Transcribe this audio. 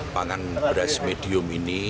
pangan beras medium ini